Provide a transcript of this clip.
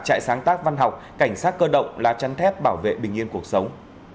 trại sáng tác văn học cảnh sát cơ động lá chắn thép bảo vệ bình yên cuộc sống